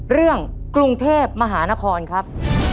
เรื่องกรุงเทพมหานครครับ